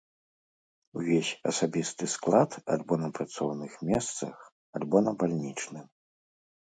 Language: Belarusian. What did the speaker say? Увесь асабісты склад альбо на працоўных месцах, альбо на бальнічным.